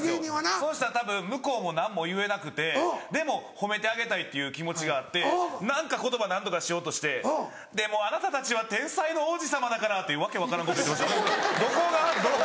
そうしたらたぶん向こうも何も言えなくてでも褒めてあげたいっていう気持ちがあって何か言葉何とかしようとして「でもあなたたちは天才の王子様だから」って訳分からんこと言ってましたどこが？何が？